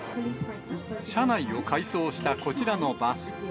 車内を改装したこちらのバス。